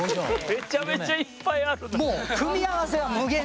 めちゃめちゃいっぱいあるな。